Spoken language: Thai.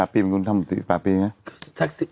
๑๕ปีมันคุณทำ๑๘ปีไง